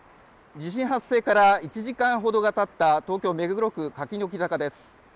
地震発生から１時間ほどが経った東京、目黒区柿の木坂です。